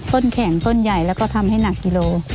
ต้นแข็งต้นใหญ่แล้วก็ทำให้หนักกิโล